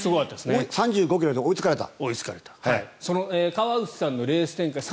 ３５ｋｍで追いつかれた。